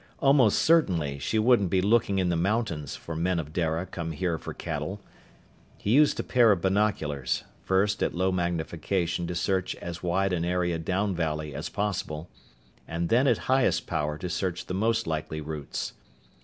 Almost certainly she wouldn't be looking in the mountains for men of Dara come here for cattle. He used a pair of binoculars, first at low magnification to search as wide an area down valley as possible, and then at highest power to search the most likely routes.